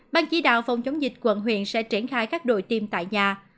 ban chỉ đạo phòng chống dịch quận huyện sẽ triển khai các đội tiêm tại nhà